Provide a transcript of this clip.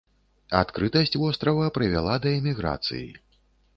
Адкрытасць вострава прывяла да эміграцыі.